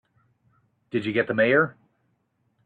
Did you get the Mayor?